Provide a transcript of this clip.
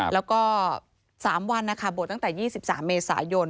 แล้วก็๓วันนะคะบวชตั้งแต่๒๓เมษายน